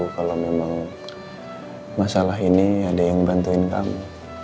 kalau memang masalah ini ada yang ngebantuin kamu